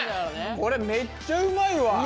これめっちゃうまいわ！